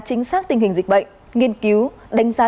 chính xác tình hình dịch bệnh nghiên cứu đánh giá